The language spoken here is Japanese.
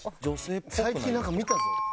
最近なんか見たぞ。